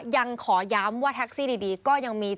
ยังขอย้ำว่าแท็กซี่ดีก็ยังมี